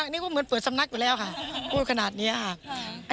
อันนี้ก็ถือว่าเป็นข้อคิดดีนะคะ